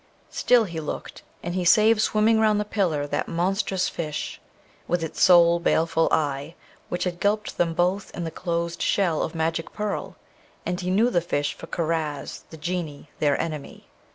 Still he looked, and he save swimming round the pillar that monstrous fish, with its sole baleful eye, which had gulped them both in the closed shell of magic pearl; and he knew the fish for Karaz, the Genie, their enemy.